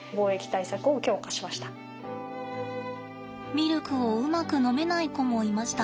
ミルクをうまく飲めない子もいました。